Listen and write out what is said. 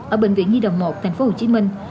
ở bệnh viện nhi đồng một tp hcm